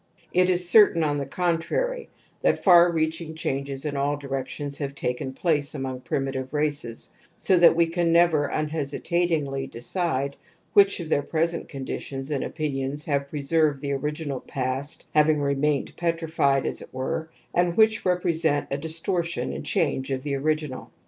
It is certain, on the con trary, that far reaching changes in all directions have taken place among primitive races, so that we can never unhesitatingly decide which of their present conditions and opinions have preserved the original past, having remained petrified, as it were, and which represent a distortion and change of the original.